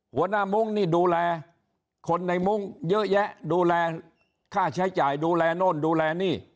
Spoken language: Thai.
มุ้งนี่ดูแลคนในมุ้งเยอะแยะดูแลค่าใช้จ่ายดูแลโน่นดูแลนี่